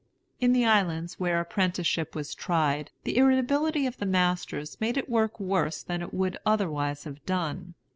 In the islands where apprenticeship was tried, the irritability of the masters made it work worse than it would otherwise have done.